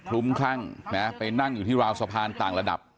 ทุ่มขั้่งไปนั่งอยู่ที่ราวสภาณต่างระดับ